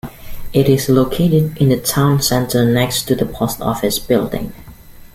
It is located in the town center next to the post office building.